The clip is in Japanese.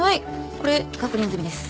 これ確認済みです。